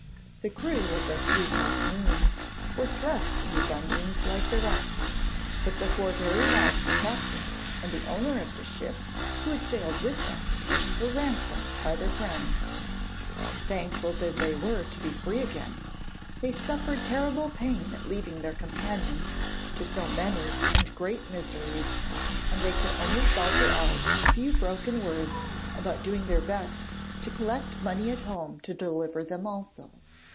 The crew of the 'Three Half Moons' were thrust into dungeons like the rest, but before very long the captain and the owner of the ship, who had sailed with them, were ransomed by their friends. Thankful though they were to be free again, they suffered terrible pain at leaving their companions to so many and great miseries, and they could only falter out a few broken words about doing their best to collect money at home to deliver them also.